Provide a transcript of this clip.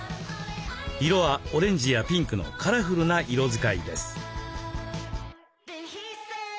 色はオレンジやピンクのカラフルな色使いです。